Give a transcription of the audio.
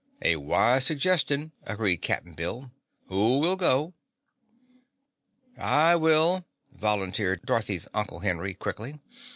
"A wise suggestion," agreed Cap'n Bill. "Who will go?" "I will," volunteered Dorothy's Uncle Henry quickly.